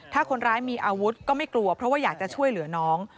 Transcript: ถ้าคนร้ายมีอาวุธก็ไม่กลัวเพราะว่าอยากจะช่วยเหลือน้อง